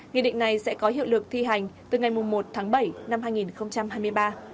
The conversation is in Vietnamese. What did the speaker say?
nghị định này sẽ có hiệu lực thi hành từ ngày một tháng bảy năm hai nghìn hai mươi ba